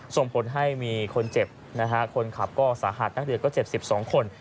ส่งผลให้มีคนเจ็บนะฮะคนขับก็สาหัสนักเรียนก็เจ็บ๑๒คน